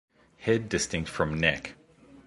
Head distinct from neck.